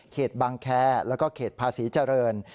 บางแคร์แล้วก็เขตภาษีเจริญ